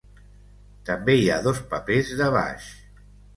També hi ha dos papers de baix.